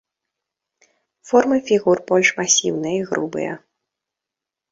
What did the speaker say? Формы фігур больш масіўныя і грубыя.